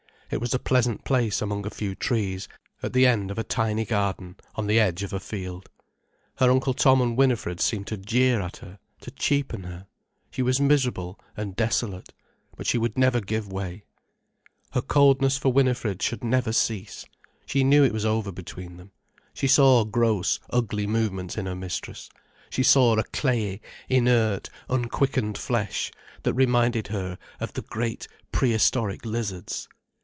It was a pleasant place among a few trees, at the end of a tiny garden, on the edge of a field. Her Uncle Tom and Winifred seemed to jeer at her, to cheapen her. She was miserable and desolate. But she would never give way. Her coldness for Winifred should never cease. She knew it was over between them. She saw gross, ugly movements in her mistress, she saw a clayey, inert, unquickened flesh, that reminded her of the great prehistoric lizards.